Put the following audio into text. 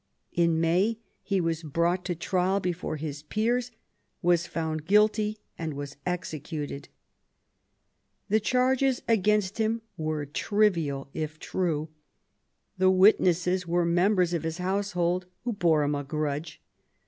In May he was brought to trial before his peers, was found guilty, and was executed. The charges against him were trivial if true ; the witnesses were members of his household who bore him a grudge.